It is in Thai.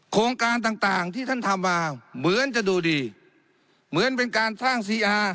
โครงการต่างต่างที่ท่านทำมาเหมือนจะดูดีเหมือนเป็นการสร้างซีอาร์